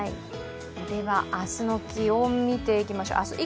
では、明日以降の気温、見ていきましょう。